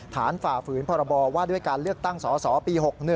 ฝ่าฝืนพรบว่าด้วยการเลือกตั้งสสปี๖๑